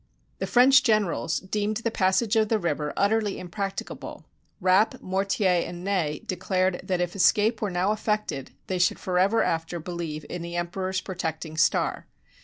The French generals deemed the passage of the river utterly impracticable. Rapp, Mortier, and Ney de clared that, if escape were now effected, they should for ever after believe in the emperor's protecting star.